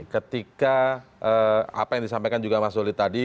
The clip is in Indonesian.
ketika apa yang disampaikan juga mas doli tadi